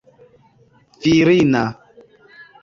virina